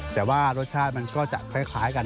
แต่ว่ารสชาติมันก็จะคล้ายกัน